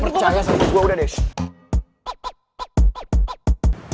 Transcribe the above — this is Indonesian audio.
percaya sama gue udah deh